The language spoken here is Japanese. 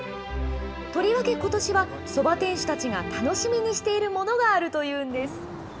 とりわけ、ことしはそば店主たちが楽しみにしているものがあるというんです。